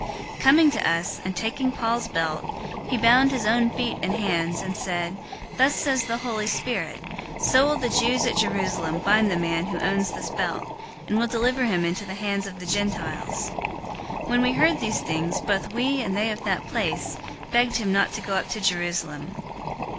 021:011 Coming to us, and taking Paul's belt, he bound his own feet and hands, and said, "Thus says the Holy Spirit: 'So will the Jews at Jerusalem bind the man who owns this belt, and will deliver him into the hands of the Gentiles.'" 021:012 When we heard these things, both we and they of that place begged him not to go up to Jerusalem.